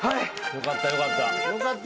よかったよかった。